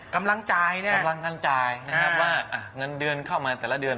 กำลังจ่ายเนี่ยกำลังการจ่ายนะครับว่าเงินเดือนเข้ามาแต่ละเดือน